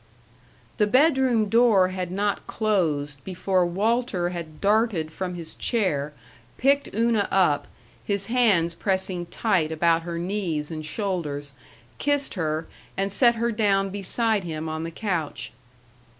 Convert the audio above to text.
The bedroom door had not closed before Walter had darted from his chair, picked Una up, his hands pressing tight about her knees and shoulders, kissed her, and set her down beside him on the couch.